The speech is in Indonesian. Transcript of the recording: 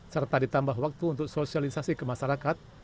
serta ditambah waktu untuk sosialisasi ke masyarakat